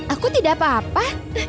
aku tidak apa apa